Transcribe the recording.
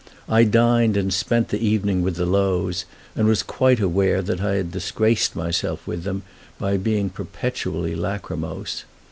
I dined and spent the evening with the Lows, and was quite aware that I disgraced myself with them by being perpetually lachrymose.